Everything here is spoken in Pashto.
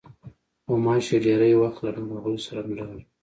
غوماشې ډېری وخت له ناروغیو سره مله وي.